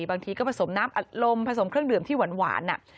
บางทีก็ผสมน้ำอัดลมผสมเครื่องดื่มที่หวาน